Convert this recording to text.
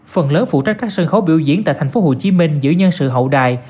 phần lớn phụ trách các sân khấu biểu diễn tại tp hcm giữ nhân sự hậu đại